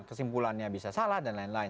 kesimpulannya bisa salah dan lain lain